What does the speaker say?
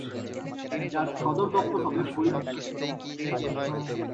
যার সদর দপ্তর হবে ফরিদপুর।